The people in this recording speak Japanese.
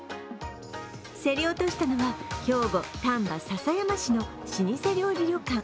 競り落としたのは、兵庫・丹波篠山市の老舗料理旅館。